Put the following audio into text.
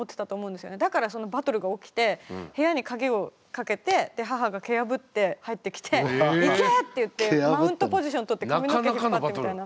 だからそのバトルが起きて部屋に鍵をかけてで母が蹴破って入ってきて「行け！」って言ってマウントポジション取って髪の毛引っ張ってみたいな。